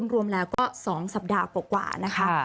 รวมแล้วก็๒สัปดาห์กว่านะคะ